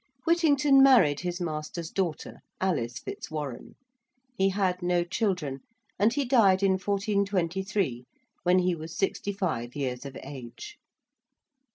Whittington married his master's daughter, Alice Fitzwarren. He had no children, and he died in 1423 when he was sixty five years of age.